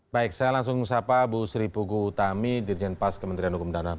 baik saya langsung sapa bu sri pugu utami dirjen pas kementerian hukum dan ham